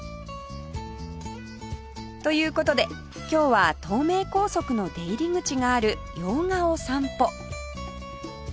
という事で今日は東名高速の出入り口がある用賀を散歩